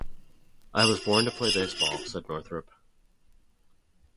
"I was born to play baseball", said Northrup.